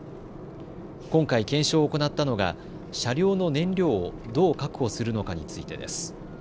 今回検証を行ったのが車両の燃料をどう確保するのかについてです。